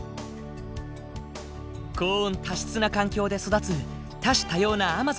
高温多湿な環境で育つ多種多様なアマゾンの植物。